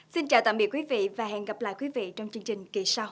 xin chào tạm biệt quý vị và hẹn gặp lại quý vị trong chương trình kỳ sau